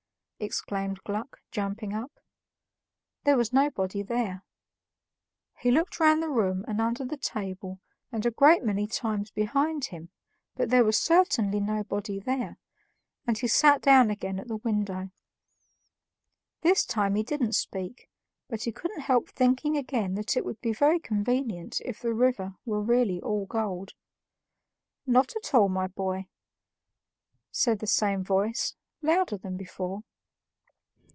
exclaimed Gluck, jumping up. There was nobody there. He looked round the room and under the table and a great many times behind him, but there was certainly nobody there, and he sat down again at the window. This time he didn't speak, but he couldn't help thinking again that it would be very convenient if the river were really all gold. "Not at all, my boy," said the same voice, louder than before.